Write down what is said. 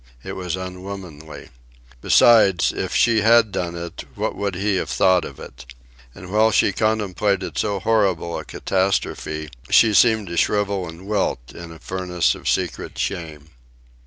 It was unwomanly. Besides, if she had done it, what would he have thought of it? And while she contemplated so horrible a catastrophe, she seemed to shrivel and wilt in a furnace of secret shame.